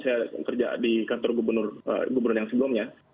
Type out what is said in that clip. saya kerja di kantor gubernur yang sebelumnya